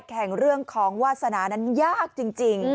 แข่งเรื่องของวาสนานั้นยากจริง